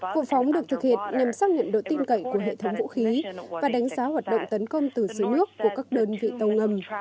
vụ phóng được thực hiện nhằm xác nhận độ tin cậy của hệ thống vũ khí và đánh giá hoạt động tấn công từ giữ nước của các đơn vị tàu ngầm